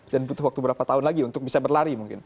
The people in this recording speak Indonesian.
dan butuh waktu berapa tahun lagi untuk bisa berlari mungkin